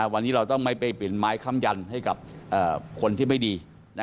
วันนี้เราต้องไม่ไปเปลี่ยนไม้คำยันให้กับคนที่ไม่ดี